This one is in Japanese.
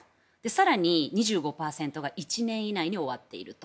更に２５％が１年以内に終わっていると。